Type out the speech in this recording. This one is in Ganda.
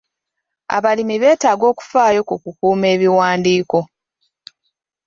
Abalimi beetaaga okufaayo ku kukuuma ebiwandiiko.